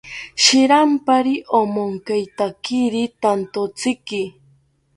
Shirampari omonkeitakiri tantotziki